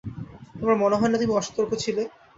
তোমার মনে হয়না তুমি অসতর্ক ছিলে?